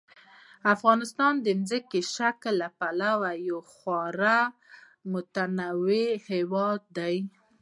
افغانستان د ځمکني شکل له پلوه یو خورا متنوع هېواد دی.